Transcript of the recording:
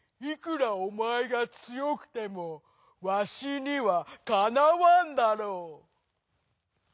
いくらおまえがつよくてもワシにはかなわんだろう」。